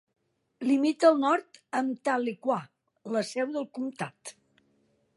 Limita al nord amb Tahlequah, la seu del comtat.